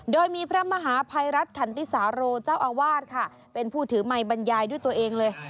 โดยมีพระมหาภัยรัฐขันติสาโรเจ้าอาวาสค่ะเป็นผู้ถือไมค์บรรยายด้วยตัวเองเลย